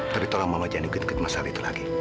tapi tolong mama jangan ikut ikut masalah itu lagi